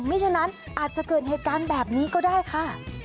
ฉะนั้นอาจจะเกิดเหตุการณ์แบบนี้ก็ได้ค่ะ